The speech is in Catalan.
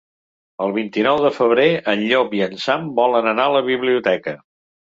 El vint-i-nou de febrer en Llop i en Sam volen anar a la biblioteca.